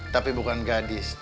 tapi bukan gadis